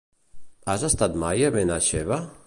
Has estat mai a Benaixeve?